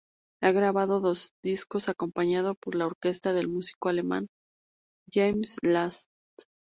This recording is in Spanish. Ha grabado dos discos acompañado por la orquesta del músico alemán James Last.